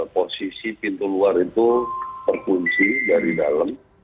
posisi pintu luar itu terkunci dari dalam